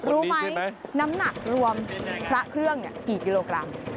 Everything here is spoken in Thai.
รู้ไหมน้ำหนักรวมพระเครื่องกี่กิโลกรัม